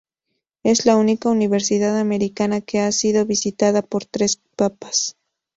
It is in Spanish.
Es la única universidad americana que ha sido visitada por tres papas.